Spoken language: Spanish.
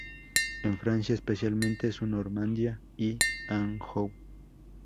En Francia especialmente en Normandía y Anjou.